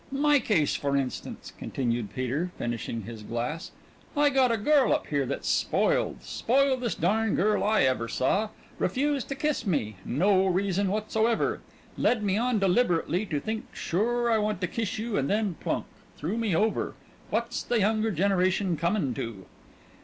"My case, for instance," continued Peter, finishing his glass. "I got a girl up here that's spoiled. Spoildest darn girl I ever saw. Refused to kiss me; no reason whatsoever. Led me on deliberately to think sure I want to kiss you and then plunk! Threw me over! What's the younger generation comin' to?"